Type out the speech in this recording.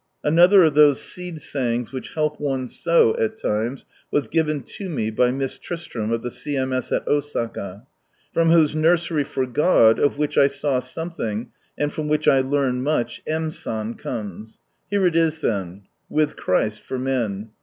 Another of those seed sayings which help one so, at times, was given me by Miss Tristram of the C.M.S. at Osaka ; from whose nursery for God, (of which I saw something, and from which I learned much) M. San comes. Here it is then— " With Christ for men."